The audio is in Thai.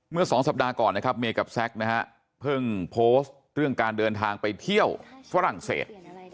เมื่อสองสัปดาห์ก่อนนะครับเมย์กับแซคนะฮะเพิ่งโพสต์เรื่องการเดินทางไปเที่ยวฝรั่งเศส